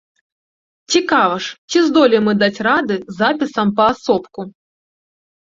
Цікава ж, ці здолеем мы даць рады з запісам паасобку.